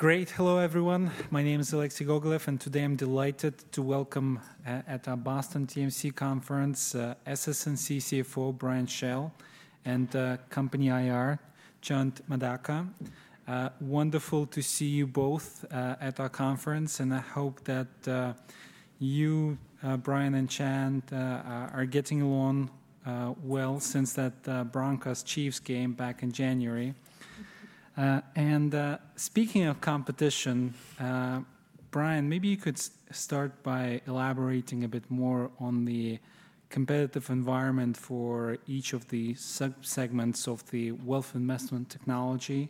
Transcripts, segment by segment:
Great. Hello, everyone. My name is Alexei Gogolev, and today I'm delighted to welcome at our Boston TMC Conference SS&C CFO Brian Schell and company IR Chand Madaka. Wonderful to see you both at our conference, and I hope that you, Brian and Chand, are getting along well since that Branko's Chiefs game back in January. Speaking of competition, Brian, maybe you could start by elaborating a bit more on the competitive environment for each of the subsegments of the wealth investment technology.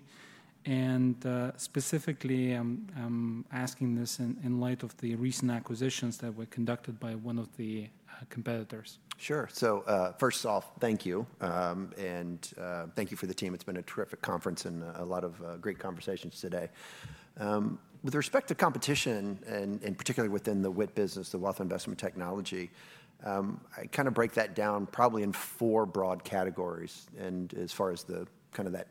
Specifically, I'm asking this in light of the recent acquisitions that were conducted by one of the competitors. Sure. First off, thank you. And thank you for the team. It's been a terrific conference and a lot of great conversations today. With respect to competition, and particularly within the WIT business, the wealth investment technology, I kind of break that down probably in four broad categories. As far as the kind of that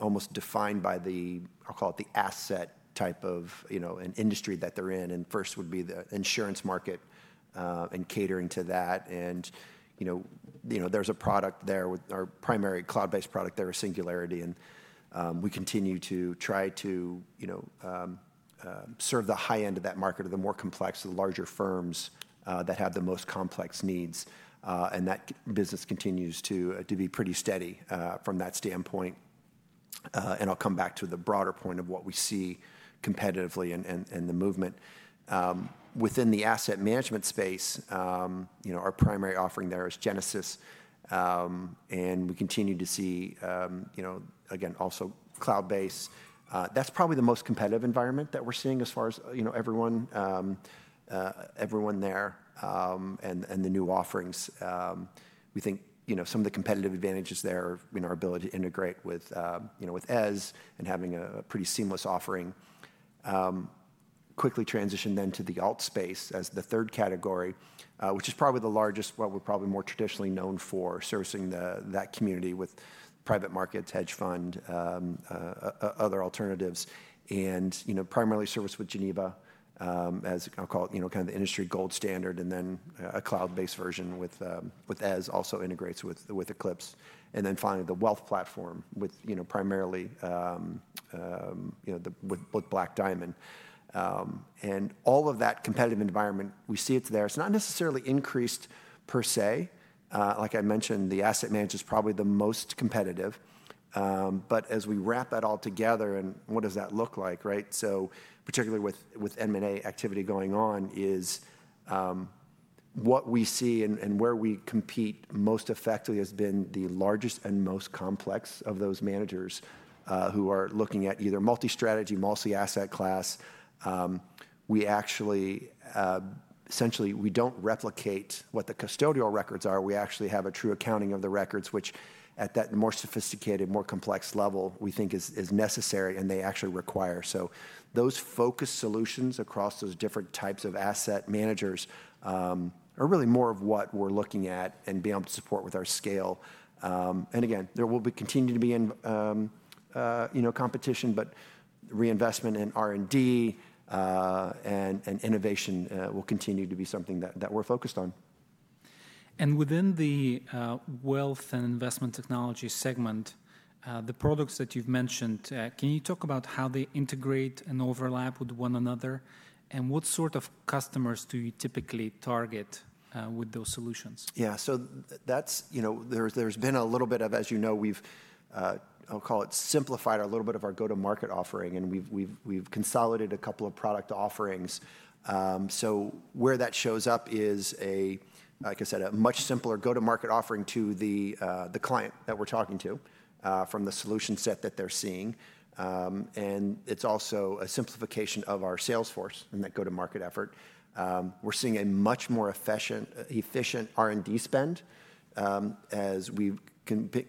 almost defined by the, I'll call it the asset type of, you know, an industry that they're in. First would be the insurance market and catering to that. You know, there's a product there, our primary cloud-based product there, Singularity. We continue to try to serve the high end of that market, the more complex, the larger firms that have the most complex needs. That business continues to be pretty steady from that standpoint. I'll come back to the broader point of what we see competitively and the movement. Within the asset management space, you know, our primary offering there is Genesys. We continue to see, you know, again, also cloud-based. That's probably the most competitive environment that we're seeing as far as, you know, everyone there. The new offerings, we think, you know, some of the competitive advantages there are in our ability to integrate with, you know, with EZ and having a pretty seamless offering. Quickly transitioned then to the alt space as the third category, which is probably the largest, what we're probably more traditionally known for, servicing that community with private markets, hedge fund, other alternatives. You know, primarily service with Geneva as, I'll call it, you know, kind of the industry gold standard. Then a cloud-based version with EZ also integrates with Eclipse. Finally, the wealth platform with, you know, primarily, you know, with Black Diamond. All of that competitive environment, we see it's there. It's not necessarily increased per se. Like I mentioned, the asset management is probably the most competitive. As we wrap that all together, what does that look like, right? Particularly with M&A activity going on, what we see and where we compete most effectively has been the largest and most complex of those managers who are looking at either multi-strategy, multi-asset class. We actually, essentially, we do not replicate what the custodial records are. We actually have a true accounting of the records, which at that more sophisticated, more complex level, we think is necessary and they actually require. Those focus solutions across those different types of asset managers are really more of what we're looking at and be able to support with our scale. Again, there will continue to be, you know, competition, but reinvestment in R&D and innovation will continue to be something that we're focused on. Within the wealth and investment technology segment, the products that you've mentioned, can you talk about how they integrate and overlap with one another? What sort of customers do you typically target with those solutions? Yeah, so that's, you know, there's been a little bit of, as you know, we've, I'll call it simplified a little bit of our go-to-market offering, and we've consolidated a couple of product offerings. Where that shows up is a, like I said, a much simpler go-to-market offering to the client that we're talking to from the solution set that they're seeing. It's also a simplification of our sales force in that go-to-market effort. We're seeing a much more efficient R&D spend as we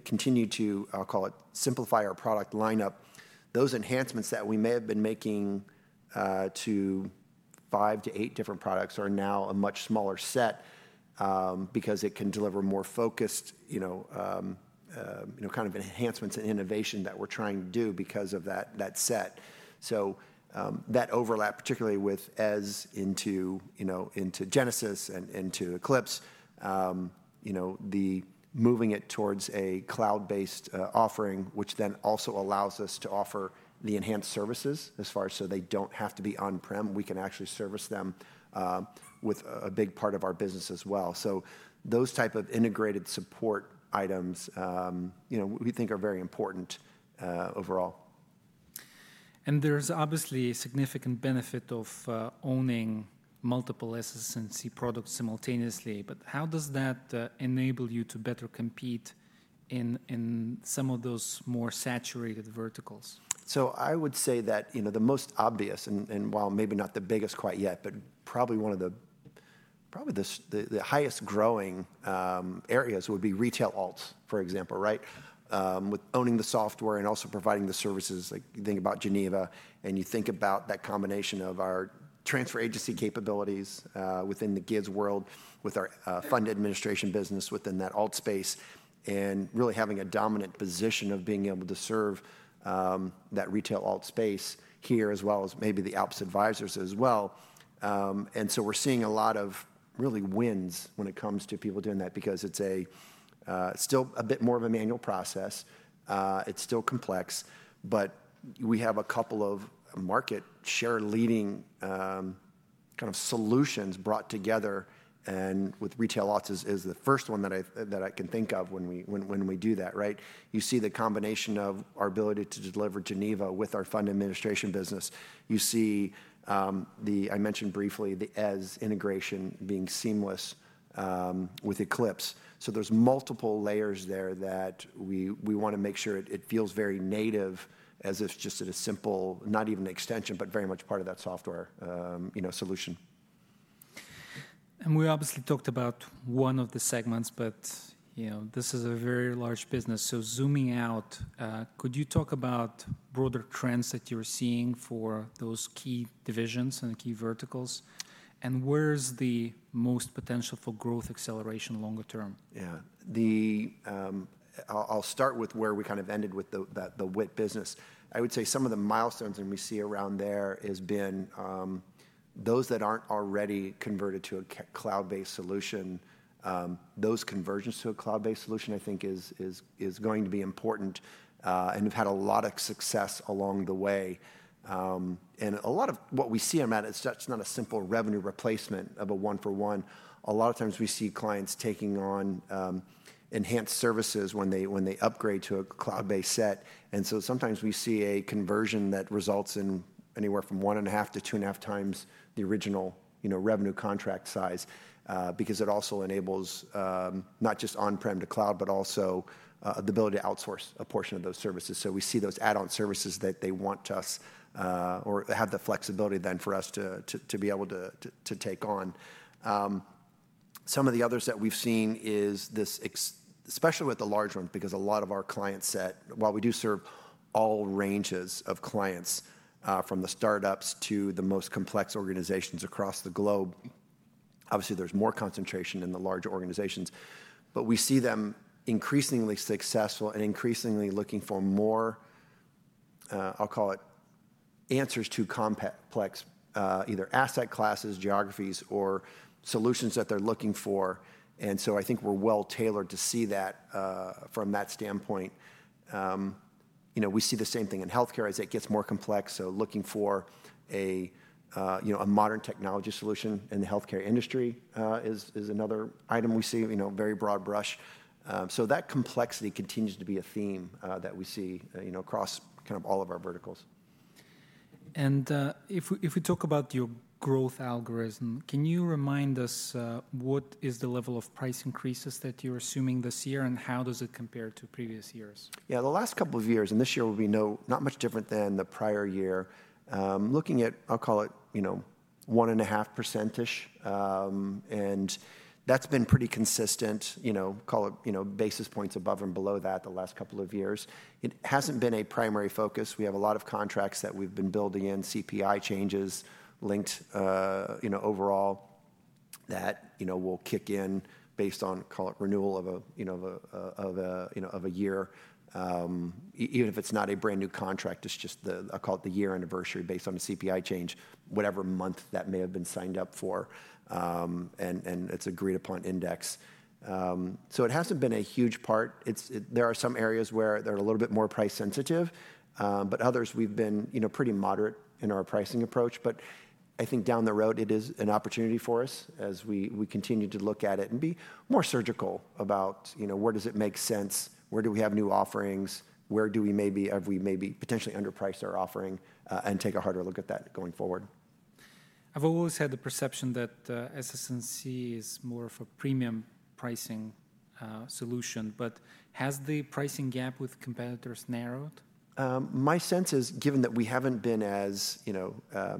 continue to, I'll call it simplify our product lineup. Those enhancements that we may have been making to five to eight different products are now a much smaller set because it can deliver more focused, you know, kind of enhancements and innovation that we're trying to do because of that set. That overlap, particularly with EZ into Genesys and into Eclipse, you know, the moving it towards a cloud-based offering, which then also allows us to offer the enhanced services as far as so they do not have to be on-prem. We can actually service them with a big part of our business as well. Those type of integrated support items, you know, we think are very important overall. There is obviously a significant benefit of owning multiple SS&C products simultaneously. How does that enable you to better compete in some of those more saturated verticals? I would say that, you know, the most obvious, and while maybe not the biggest quite yet, but probably one of the probably the highest growing areas would be retail alts, for example, right? With owning the software and also providing the services, like you think about Geneva, and you think about that combination of our transfer agency capabilities within the gigs world with our fund administration business within that alt space and really having a dominant position of being able to serve that retail alt space here as well as maybe the ops advisors as well. We're seeing a lot of really wins when it comes to people doing that because it's still a bit more of a manual process. It's still complex, but we have a couple of market share leading kind of solutions brought together. With retail alts is the first one that I can think of when we do that, right? You see the combination of our ability to deliver Geneva with our fund administration business. You see the, I mentioned briefly, the EZ integration being seamless with Eclipse. There are multiple layers there that we want to make sure it feels very native as if just at a simple, not even extension, but very much part of that software, you know, solution. We obviously talked about one of the segments, but you know, this is a very large business. Zooming out, could you talk about broader trends that you're seeing for those key divisions and key verticals? Where's the most potential for growth acceleration longer term? Yeah, I'll start with where we kind of ended with the WIT business. I would say some of the milestones that we see around there have been those that aren't already converted to a cloud-based solution. Those conversions to a cloud-based solution, I think, is going to be important and have had a lot of success along the way. A lot of what we see on that, it's not a simple revenue replacement of a one-for-one. A lot of times we see clients taking on enhanced services when they upgrade to a cloud-based set. Sometimes we see a conversion that results in anywhere from one and a half to two and a half times the original, you know, revenue contract size because it also enables not just on-prem to cloud, but also the ability to outsource a portion of those services. We see those add-on services that they want us or have the flexibility then for us to be able to take on. Some of the others that we've seen is this, especially with the large ones, because a lot of our client set, while we do serve all ranges of clients from the startups to the most complex organizations across the globe, obviously there's more concentration in the large organizations, but we see them increasingly successful and increasingly looking for more, I'll call it answers to complex either asset classes, geographies, or solutions that they're looking for. I think we're well tailored to see that from that standpoint. You know, we see the same thing in healthcare as it gets more complex. Looking for a, you know, a modern technology solution in the healthcare industry is another item we see, you know, very broad brush. That complexity continues to be a theme that we see, you know, across kind of all of our verticals. If we talk about your growth algorithm, can you remind us what is the level of price increases that you're assuming this year and how does it compare to previous years? Yeah, the last couple of years and this year will be not much different than the prior year. Looking at, I'll call it, you know, 1.5%-ish. And that's been pretty consistent, you know, call it, you know, basis points above and below that the last couple of years. It hasn't been a primary focus. We have a lot of contracts that we've been building in, CPI changes linked, you know, overall that, you know, will kick in based on, call it, renewal of a, you know, of a year. Even if it's not a brand new contract, it's just the, I'll call it the year anniversary based on a CPI change, whatever month that may have been signed up for. And it's agreed upon index. So it hasn't been a huge part. There are some areas where they're a little bit more price sensitive, but others we've been, you know, pretty moderate in our pricing approach. I think down the road it is an opportunity for us as we continue to look at it and be more surgical about, you know, where does it make sense, where do we have new offerings, where do we maybe, have we maybe potentially underpriced our offering and take a harder look at that going forward. I've always had the perception that SS&C is more of a premium pricing solution, but has the pricing gap with competitors narrowed? My sense is given that we haven't been as, you know,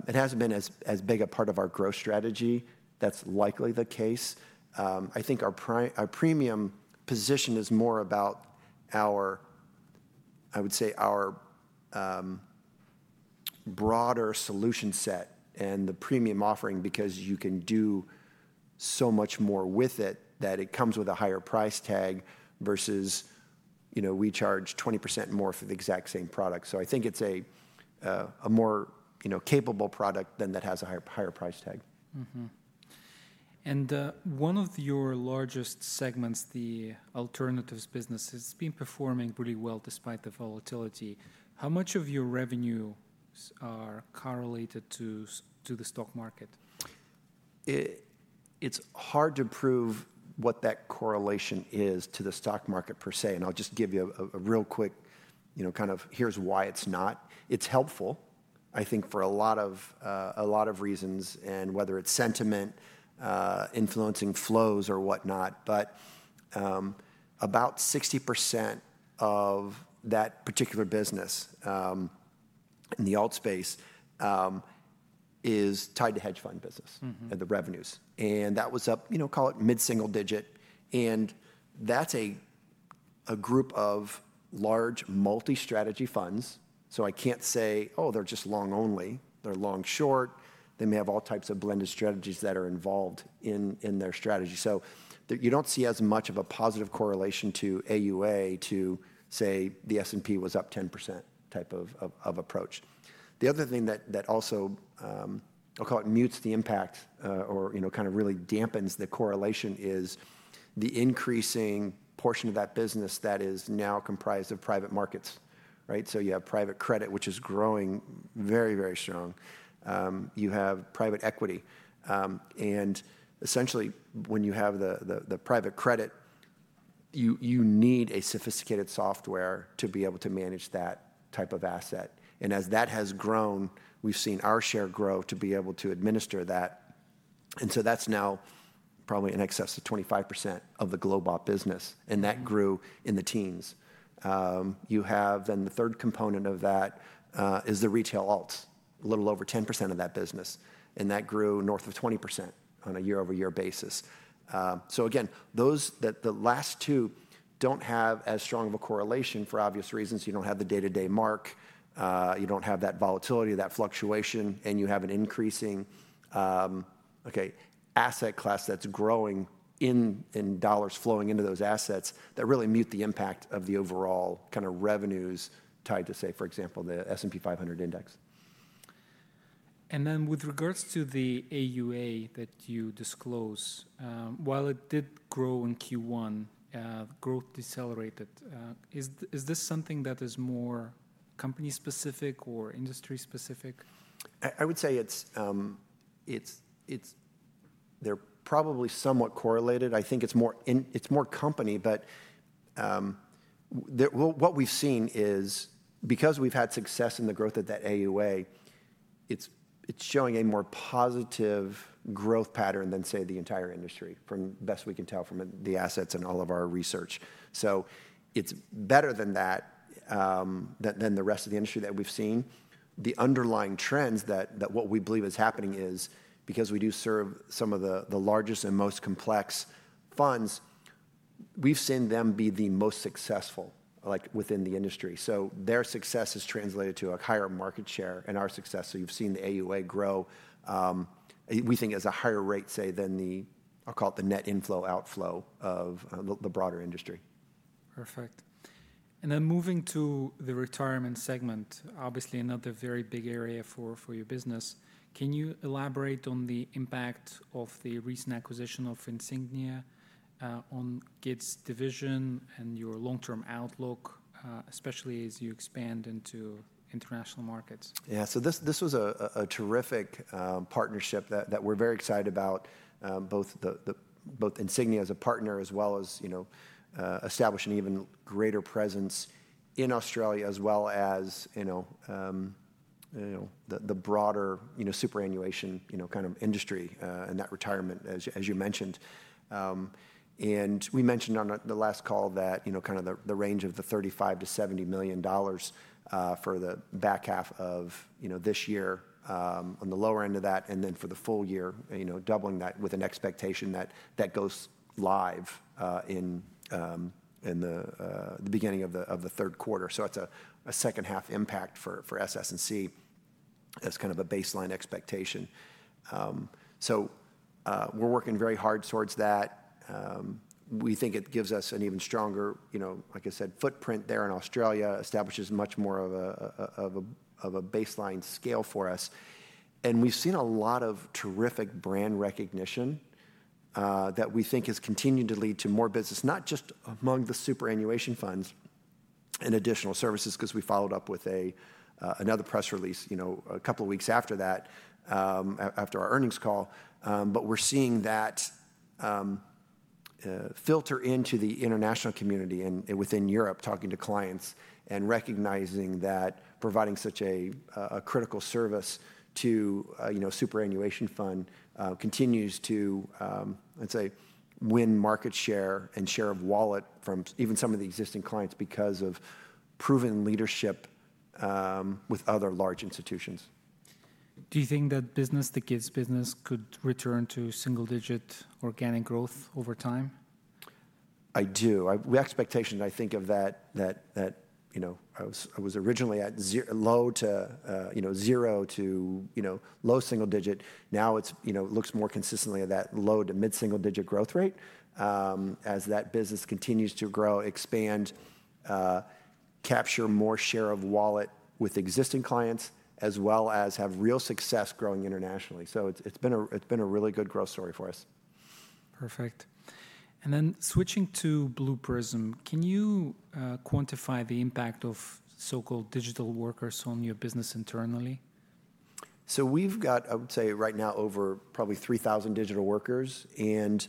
it hasn't been as big a part of our growth strategy. That's likely the case. I think our premium position is more about our, I would say our broader solution set and the premium offering because you can do so much more with it that it comes with a higher price tag versus, you know, we charge 20% more for the exact same product. I think it's a more, you know, capable product than that has a higher price tag. One of your largest segments, the alternatives business, it's been performing pretty well despite the volatility. How much of your revenues are correlated to the stock market? It's hard to prove what that correlation is to the stock market per se. I'll just give you a real quick, you know, kind of here's why it's not. It's helpful, I think, for a lot of reasons and whether it's sentiment, influencing flows or whatnot. About 60% of that particular business in the alt space is tied to hedge fund business and the revenues. That was up, you know, call it mid-single digit. That's a group of large multi-strategy funds. I can't say, oh, they're just long only. They're long short. They may have all types of blended strategies that are involved in their strategy. You don't see as much of a positive correlation to AUA to say the S&P was up 10% type of approach. The other thing that also, I'll call it mutes the impact or, you know, kind of really dampens the correlation is the increasing portion of that business that is now comprised of private markets, right? You have private credit, which is growing very, very strong. You have private equity. Essentially, when you have the private credit, you need a sophisticated software to be able to manage that type of asset. As that has grown, we've seen our share grow to be able to administer that. That is now probably in excess of 25% of the global business. That grew in the teens. You have then the third component of that, which is the retail alts, a little over 10% of that business. That grew north of 20% on a year-over-year basis. Again, those that the last two do not have as strong of a correlation for obvious reasons. You do not have the day-to-day mark. You do not have that volatility, that fluctuation. You have an increasing asset class that is growing in dollars flowing into those assets that really mute the impact of the overall kind of revenues tied to, say, for example, the S&P 500 index. With regards to the AUA that you disclose, while it did grow in Q1, growth decelerated. Is this something that is more company specific or industry specific? I would say it's they're probably somewhat correlated. I think it's more company, but what we've seen is because we've had success in the growth of that AUA, it's showing a more positive growth pattern than, say, the entire industry from best we can tell from the assets and all of our research. It's better than that than the rest of the industry that we've seen. The underlying trends that what we believe is happening is because we do serve some of the largest and most complex funds, we've seen them be the most successful, like within the industry. Their success has translated to a higher market share and our success. You've seen the AUA grow, we think as a higher rate, say, than the, I'll call it the net inflow outflow of the broader industry. Perfect. And then moving to the retirement segment, obviously another very big area for your business. Can you elaborate on the impact of the recent acquisition of Insignia on Gates' division and your long-term outlook, especially as you expand into international markets? Yeah, so this was a terrific partnership that we're very excited about, both Insignia as a partner as well as, you know, establishing even greater presence in Australia as well as, you know, the broader, you know, superannuation, you know, kind of industry and that retirement, as you mentioned. We mentioned on the last call that, you know, kind of the range of the $35 million-$70 million for the back half of, you know, this year on the lower end of that, and then for the full year, you know, doubling that with an expectation that that goes live in the beginning of the third quarter. It is a second half impact for SS&C as kind of a baseline expectation. We are working very hard towards that. We think it gives us an even stronger, you know, like I said, footprint there in Australia, establishes much more of a baseline scale for us. We have seen a lot of terrific brand recognition that we think has continued to lead to more business, not just among the superannuation funds and additional services because we followed up with another press release, you know, a couple of weeks after that, after our earnings call. We are seeing that filter into the international community and within Europe, talking to clients and recognizing that providing such a critical service to, you know, a superannuation fund continues to, let's say, win market share and share of wallet from even some of the existing clients because of proven leadership with other large institutions. Do you think that business, the Gates business, could return to single digit organic growth over time? I do. The expectation, I think, of that, you know, I was originally at low to, you know, zero to, you know, low single digit. Now it's, you know, looks more consistently at that low to mid-single digit growth rate as that business continues to grow, expand, capture more share of wallet with existing clients as well as have real success growing internationally. It has been a really good growth story for us. Perfect. Switching to Blue Prism, can you quantify the impact of so-called digital workers on your business internally? We have, I would say right now, probably over 3,000 digital workers. It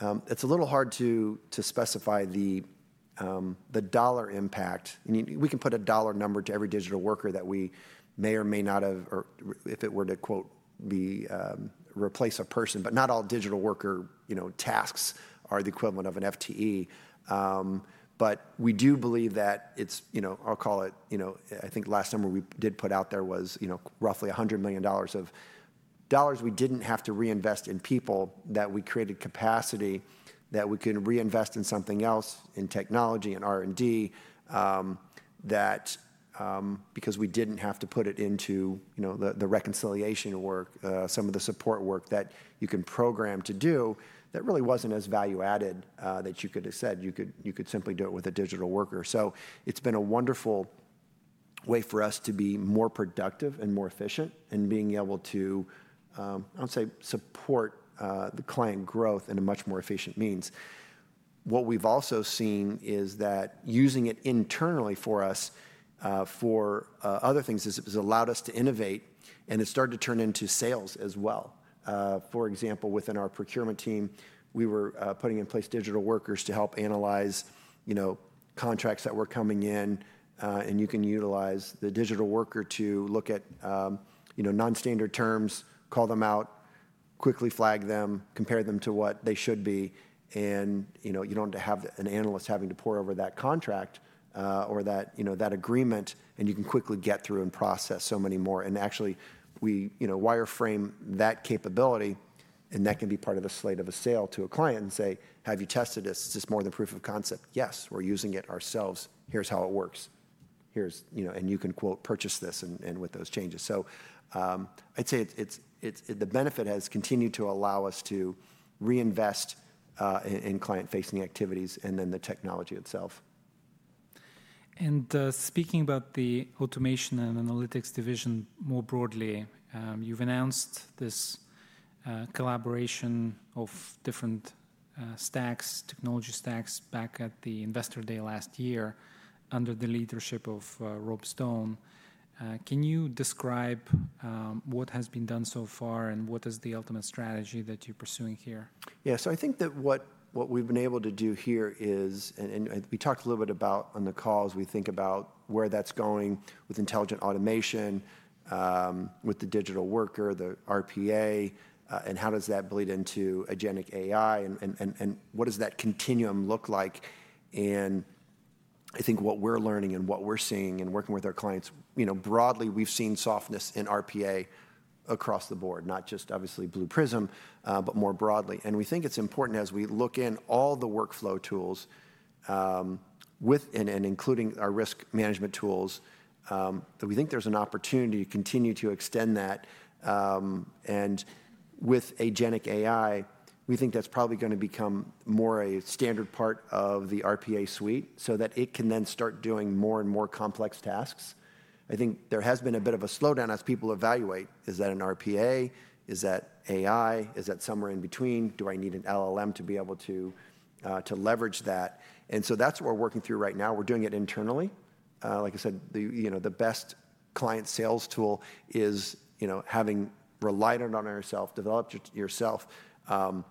is a little hard to specify the dollar impact. We can put a dollar number to every digital worker that we may or may not have, or if it were to, quote, be replace a person, but not all digital worker, you know, tasks are the equivalent of an FTE. We do believe that it's, you know, I'll call it, you know, I think last summer we did put out there was, you know, roughly $100 million of dollars we didn't have to reinvest in people that we created capacity that we could reinvest in something else in technology and R&D that because we didn't have to put it into, you know, the reconciliation work, some of the support work that you can program to do that really wasn't as value added that you could have said you could simply do it with a digital worker. It's been a wonderful way for us to be more productive and more efficient and being able to, I'll say, support the client growth in a much more efficient means. What we've also seen is that using it internally for us for other things has allowed us to innovate and it's started to turn into sales as well. For example, within our procurement team, we were putting in place digital workers to help analyze, you know, contracts that were coming in. You can utilize the digital worker to look at, you know, non-standard terms, call them out, quickly flag them, compare them to what they should be. You don't have an analyst having to pour over that contract or that, you know, that agreement and you can quickly get through and process so many more. Actually, we, you know, wireframe that capability and that can be part of the slate of a sale to a client and say, have you tested this? Is this more than proof of concept? Yes, we're using it ourselves. Here's how it works. Here's, you know, and you can quote, purchase this and with those changes. I'd say the benefit has continued to allow us to reinvest in client-facing activities and then the technology itself. Speaking about the automation and analytics division more broadly, you have announced this collaboration of different stacks, technology stacks back at the investor day last year under the leadership of Rob Stone. Can you describe what has been done so far and what is the ultimate strategy that you are pursuing here? Yeah, so I think that what we've been able to do here is, and we talked a little bit about on the call as we think about where that's going with intelligent automation, with the digital worker, the RPA, and how does that bleed into agentic AI and what does that continuum look like? I think what we're learning and what we're seeing and working with our clients, you know, broadly, we've seen softness in RPA across the board, not just obviously Blue Prism, but more broadly. We think it's important as we look in all the workflow tools with and including our risk management tools that we think there's an opportunity to continue to extend that. With agentic AI, we think that's probably going to become more a standard part of the RPA suite so that it can then start doing more and more complex tasks. I think there has been a bit of a slowdown as people evaluate is that an RPA, is that AI, is that somewhere in between? Do I need an LLM to be able to leverage that? That is what we are working through right now. We are doing it internally. Like I said, you know, the best client sales tool is, you know, having relied on ourself, developed yourself and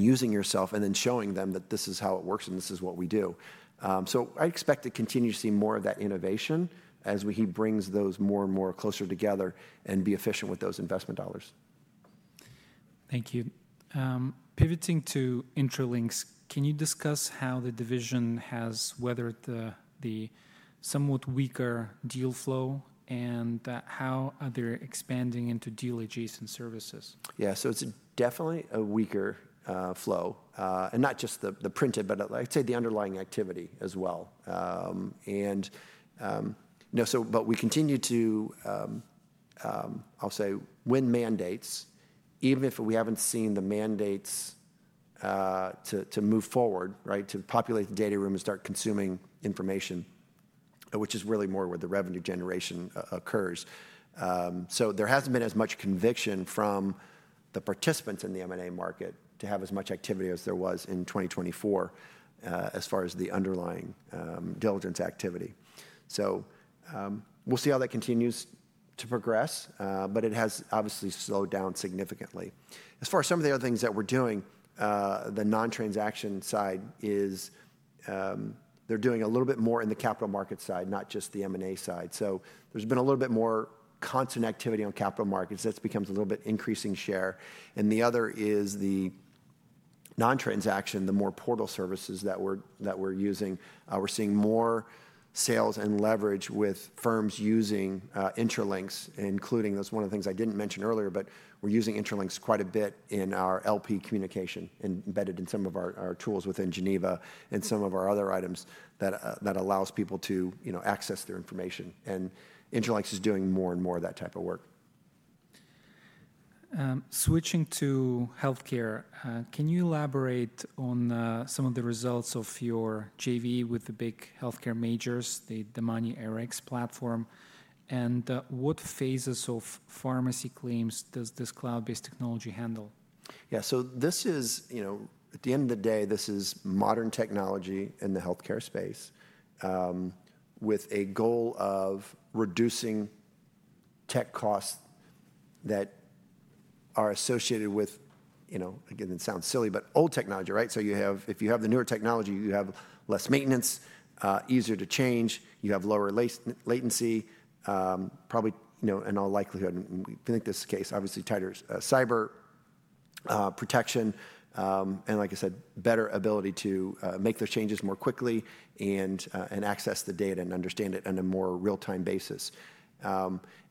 using yourself and then showing them that this is how it works and this is what we do. I expect to continue to see more of that innovation as he brings those more and more closer together and be efficient with those investment dollars. Thank you. Pivoting to Interlinks, can you discuss how the division has weathered the somewhat weaker deal flow and how they're expanding into deal adjacent services? Yeah, so it's definitely a weaker flow and not just the printed, but I'd say the underlying activity as well. No, so, but we continue to, I'll say, win mandates, even if we haven't seen the mandates to move forward, right, to populate the data room and start consuming information, which is really more where the revenue generation occurs. There hasn't been as much conviction from the participants in the M&A market to have as much activity as there was in 2024 as far as the underlying diligence activity. We'll see how that continues to progress, but it has obviously slowed down significantly. As far as some of the other things that we're doing, the non-transaction side is they're doing a little bit more in the capital market side, not just the M&A side. There's been a little bit more constant activity on capital markets. That's become a little bit increasing share. The other is the non-transaction, the more portal services that we're using. We're seeing more sales and leverage with firms using Interlinks, including that's one of the things I didn't mention earlier, but we're using Interlinks quite a bit in our LP communication embedded in some of our tools within Geneva and some of our other items that allows people to, you know, access their information. Interlinks is doing more and more of that type of work. Switching to healthcare, can you elaborate on some of the results of your JV with the big healthcare majors, the DemaniRx platform, and what phases of pharmacy claims does this cloud-based technology handle? Yeah, so this is, you know, at the end of the day, this is modern technology in the healthcare space with a goal of reducing tech costs that are associated with, you know, again, it sounds silly, but old technology, right? If you have the newer technology, you have less maintenance, easier to change, you have lower latency, probably, you know, in all likelihood, we think in this case obviously tighter cyber protection and like I said, better ability to make those changes more quickly and access the data and understand it on a more real-time basis.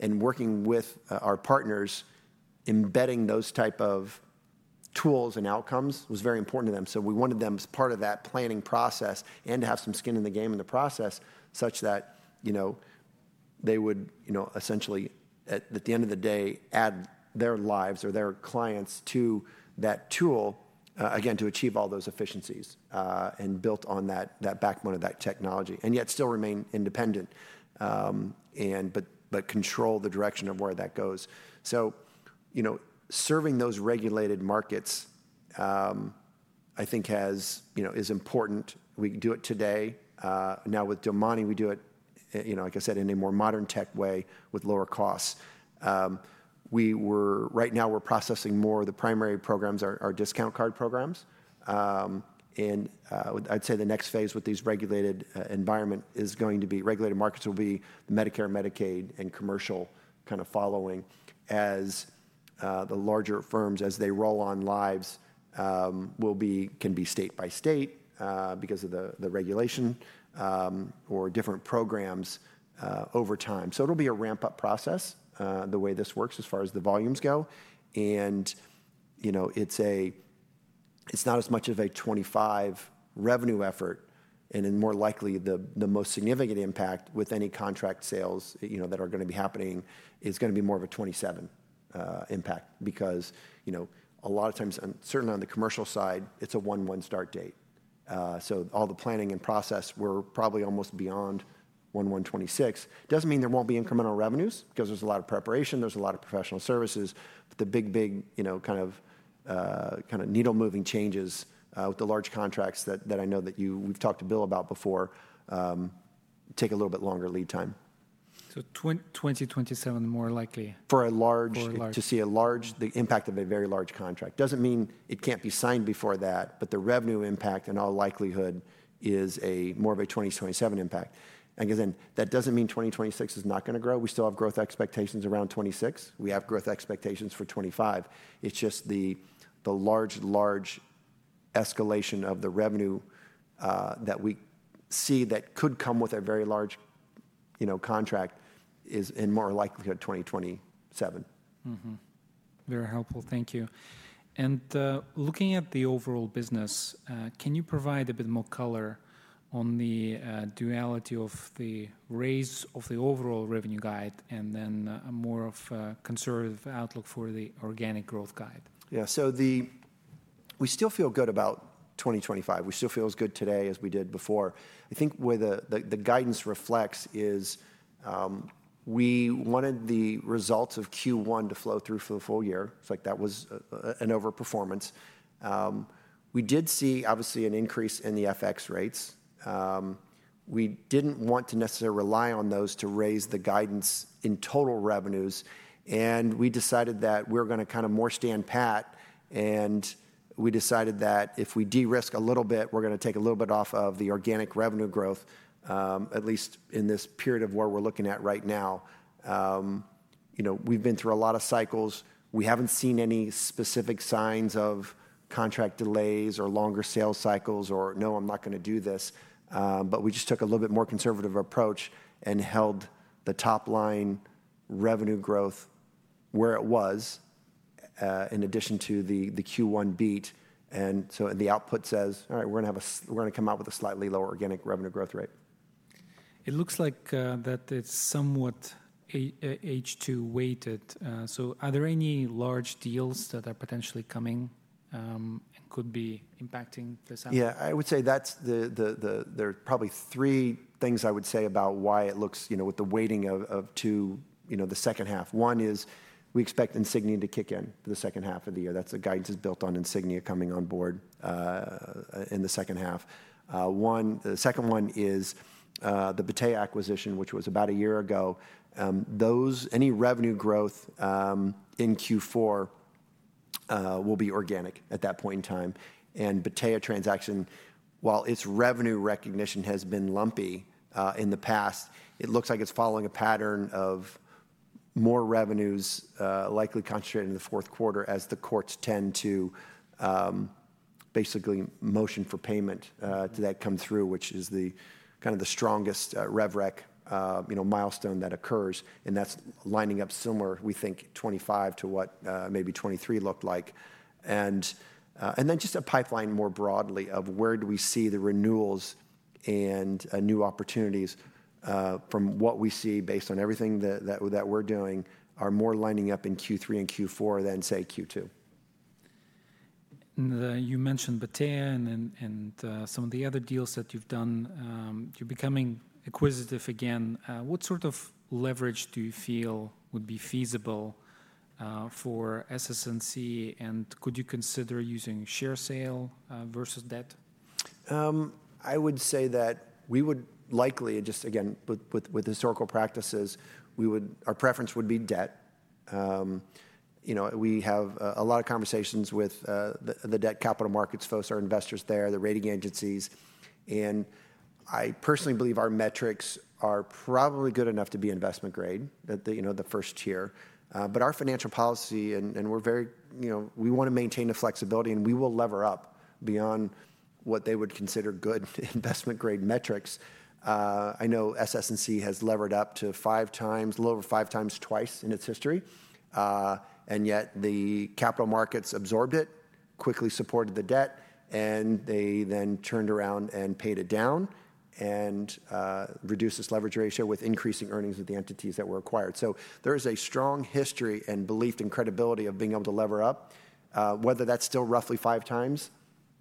Working with our partners, embedding those type of tools and outcomes was very important to them. We wanted them as part of that planning process and to have some skin in the game in the process such that, you know, they would, you know, essentially at the end of the day, add their lives or their clients to that tool, again, to achieve all those efficiencies and built on that backbone of that technology and yet still remain independent and, but control the direction of where that goes. You know, serving those regulated markets, I think, is important. We do it today. Now with DemoniRx, we do it, you know, like I said, in a more modern tech way with lower costs. Right now, we're processing more of the primary programs, our discount card programs. I'd say the next phase with these regulated environments is going to be regulated markets will be Medicare, Medicaid, and commercial kind of following as the larger firms as they roll on lives. It can be state by state because of the regulation or different programs over time. It will be a ramp-up process the way this works as far as the volumes go. You know, it's not as much of a 2025 revenue effort and more likely the most significant impact with any contract sales that are going to be happening is going to be more of a 2027 impact because, you know, a lot of times, certainly on the commercial side, it's a one-one start date. All the planning and process, we're probably almost beyond one-one 2026. Doesn't mean there won't be incremental revenues because there's a lot of preparation, there's a lot of professional services, but the big, big, you know, kind of needle-moving changes with the large contracts that I know that you, we've talked to Bill about before, take a little bit longer lead time. 2027 more likely. For a large, the impact of a very large contract does not mean it cannot be signed before that, but the revenue impact in all likelihood is more of a 2027 impact. Again, that does not mean 2026 is not going to grow. We still have growth expectations around 2026. We have growth expectations for 2025. It is just the large, large escalation of the revenue that we see that could come with a very large, you know, contract is in more likelihood 2027. Very helpful. Thank you. Looking at the overall business, can you provide a bit more color on the duality of the raise of the overall revenue guide and then a more conservative outlook for the organic growth guide? Yeah, we still feel good about 2025. We still feel as good today as we did before. I think where the guidance reflects is we wanted the results of Q1 to flow through for the full year. It's like that was an overperformance. We did see obviously an increase in the FX rates. We didn't want to necessarily rely on those to raise the guidance in total revenues. We decided that we're going to kind of more stand pat. We decided that if we de-risk a little bit, we're going to take a little bit off of the organic revenue growth, at least in this period of where we're looking at right now. You know, we've been through a lot of cycles. We haven't seen any specific signs of contract delays or longer sales cycles or no, I'm not going to do this. We just took a little bit more conservative approach and held the top line revenue growth where it was in addition to the Q1 beat. The output says, all right, we're going to have a we're going to come out with a slightly lower organic revenue growth rate. It looks like that it's somewhat H2 weighted. Are there any large deals that are potentially coming and could be impacting this? Yeah, I would say there are probably three things I would say about why it looks, you know, with the weighting of two, you know, the second half. One is we expect Insignia to kick in the second half of the year. That's the guidance is built on Insignia coming on board in the second half. The second one is the Batea acquisition, which was about a year ago. Any revenue growth in Q4 will be organic at that point in time. The Batea transaction, while its revenue recognition has been lumpy in the past, it looks like it's following a pattern of more revenues likely concentrated in the fourth quarter as the courts tend to basically motion for payment to that come through, which is kind of the strongest RevRec, you know, milestone that occurs. That is lining up somewhere, we think 2025 to what maybe 2023 looked like. The pipeline more broadly of where do we see the renewals and new opportunities from what we see based on everything that we are doing are more lining up in Q3 and Q4 than say Q2. You mentioned Batea and some of the other deals that you've done. You're becoming acquisitive again. What sort of leverage do you feel would be feasible for SS&C? And could you consider using share sale versus debt? I would say that we would likely just again, with historical practices, our preference would be debt. You know, we have a lot of conversations with the debt capital markets folks, our investors there, the rating agencies. And I personally believe our metrics are probably good enough to be investment grade at the, you know, the first year. But our financial policy and we're very, you know, we want to maintain the flexibility and we will lever up beyond what they would consider good investment grade metrics. I know SS&C has levered up to five times, a little over five times twice in its history. Yet the capital markets absorbed it, quickly supported the debt, and they then turned around and paid it down and reduced its leverage ratio with increasing earnings of the entities that were acquired. There is a strong history and belief and credibility of being able to lever up. Whether that's still roughly five times,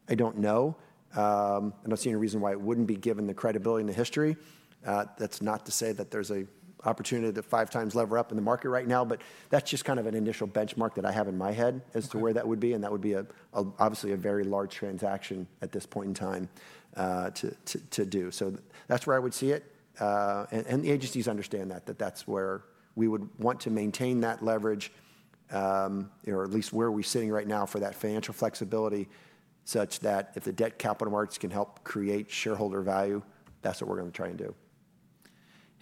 I don't know. I don't see any reason why it wouldn't be given the credibility and the history. That's not to say that there's an opportunity to five times lever up in the market right now, but that's just kind of an initial benchmark that I have in my head as to where that would be. That would be obviously a very large transaction at this point in time to do. That's where I would see it. The agencies understand that, that that's where we would want to maintain that leverage, or at least where we're sitting right now for that financial flexibility such that if the debt capital markets can help create shareholder value, that's what we're going to try and do.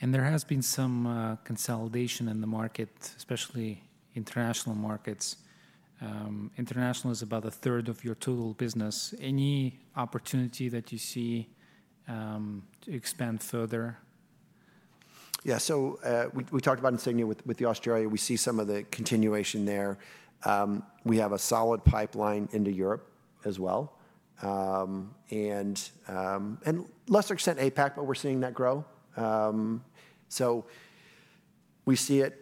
There has been some consolidation in the market, especially international markets. International is about a third of your total business. Any opportunity that you see to expand further? Yeah, so we talked about Insignia with the Australia. We see some of the continuation there. We have a solid pipeline into Europe as well. To a lesser extent, APAC, but we're seeing that grow. We see it.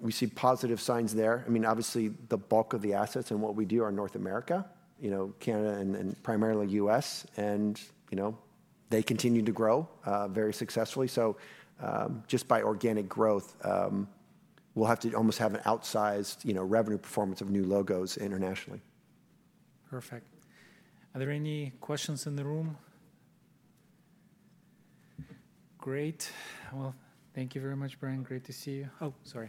We see positive signs there. I mean, obviously the bulk of the assets and what we do are North America, you know, Canada and primarily the U.S.. You know, they continue to grow very successfully. Just by organic growth, we'll have to almost have an outsized, you know, revenue performance of new logos internationally. Perfect. Are there any questions in the room? Great. Thank you very much, Brian. Great to see you. Oh, sorry.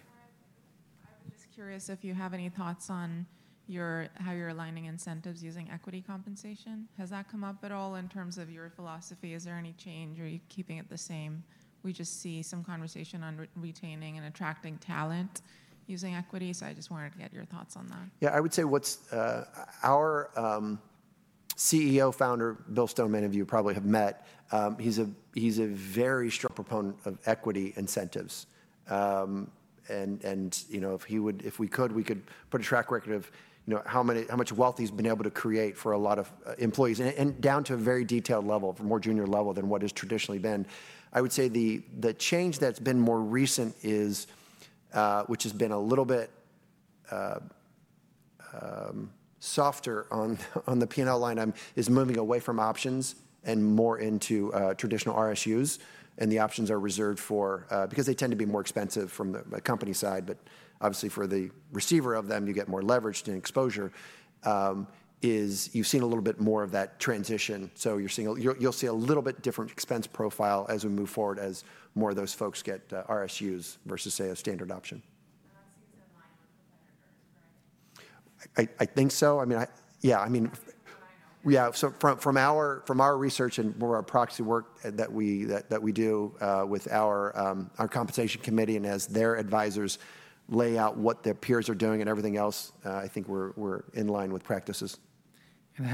I was just curious if you have any thoughts on how you're aligning incentives using equity compensation. Has that come up at all in terms of your philosophy? Is there any change or are you keeping it the same? We just see some conversation on retaining and attracting talent using equity. I just wanted to get your thoughts on that. Yeah, I would say what's our CEO, founder, Bill Stone, many of you probably have met. He's a very strong proponent of equity incentives. And, you know, if he would, if we could, we could put a track record of, you know, how much wealth he's been able to create for a lot of employees and down to a very detailed level, for a more junior level than what has traditionally been. I would say the change that's been more recent is, which has been a little bit softer on the P&L line, is moving away from options and more into traditional RSUs. And the options are reserved for, because they tend to be more expensive from the company side, but obviously for the receiver of them, you get more leverage and exposure, is you've seen a little bit more of that transition. You'll see a little bit different expense profile as we move forward as more of those folks get RSUs versus say a standard option. [That seems in line with competitors, right?] I think so. I mean, yeah, so from our research and more of our proxy work that we do with our compensation committee and as their advisors lay out what their peers are doing and everything else, I think we're in line with practices.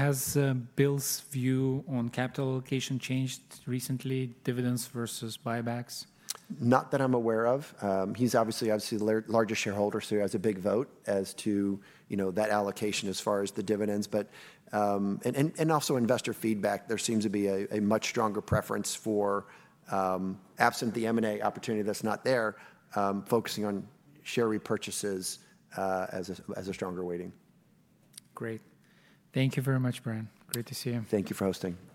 Has Bill's view on capital allocation changed recently, dividends versus buybacks? Not that I'm aware of. He's obviously the largest shareholder, so he has a big vote as to, you know, that allocation as far as the dividends. Also, investor feedback, there seems to be a much stronger preference for, absent the M&A opportunity that's not there, focusing on share repurchases as a stronger weighting. Great. Thank you very much, Brian. Great to see you. Thank you for hosting. Thanks.